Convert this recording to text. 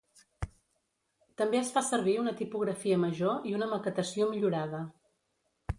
També es fa servir una tipografia major i una maquetació millorada.